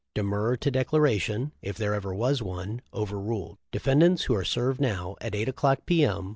De murrer to declaration, if there ever was one, over ruled. Defendants who are served now, at 8 o'clock, P. M.